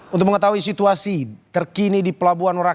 untuk mengetahui situasi terkini di pelabuhan merak